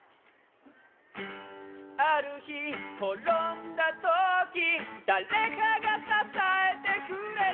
あるひころんだときだれかがささえてくれた